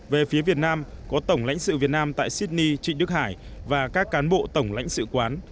về phía việt nam có tổng lãnh sự việt nam tại sydney trịnh đức hải và các cán bộ tổng lãnh sự quán